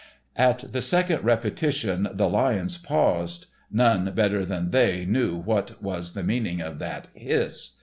At the second repetition the lions paused. None better than they knew what was the meaning of that hiss.